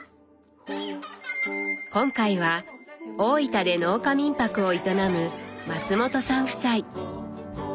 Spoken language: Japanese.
今回は大分で農家民泊を営む松本さん夫妻。